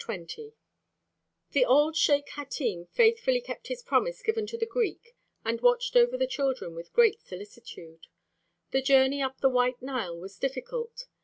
XX The old sheik Hatim faithfully kept his promise given to the Greek and watched over the children with great solicitude. The journey up the White Nile was difficult.